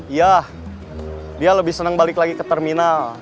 ya dia lebih senang balik lagi ke terminal